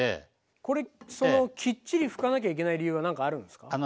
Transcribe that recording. これきっちり拭かなきゃいけない理由はなんかあるんですか？